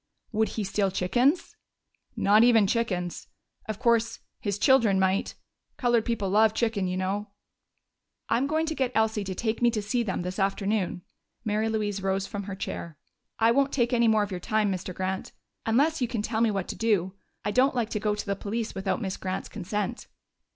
"Would he steal chickens?" "Not even chickens.... Of course, his children might. Colored people love chicken, you know." "I'm going to get Elsie to take me to see them this afternoon." Mary Louise rose from her chair. "I won't take any more of your time, Mr. Grant unless you can tell me what to do. I don't like to go to the police without Miss Grant's consent."